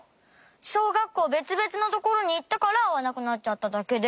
しょうがっこうべつべつのところにいったからあわなくなっちゃっただけで。